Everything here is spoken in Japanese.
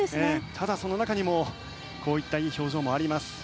ただ、その中にもいい表情もあります。